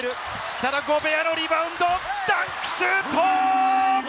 ただゴベアのリバウンド、ダンクシュート！